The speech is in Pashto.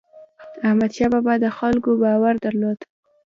احمدشاه بابا د خلکو باور درلود.